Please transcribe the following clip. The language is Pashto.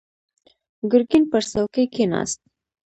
ګرګين پر څوکۍ کېناست.